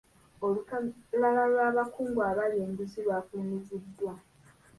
Olukalala lw'abakungu abalya enguzi lwafulumiziddwa.